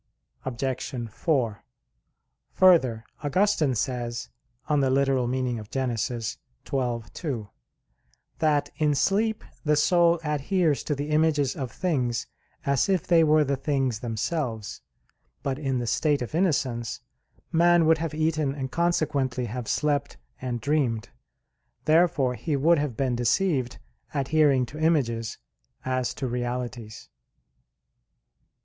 Obj. 4: Further, Augustine says (Gen. ad lit. xii, 2) that, in sleep the soul adheres to the images of things as if they were the things themselves. But in the state of innocence man would have eaten and consequently have slept and dreamed. Therefore he would have been deceived, adhering to images as to realities.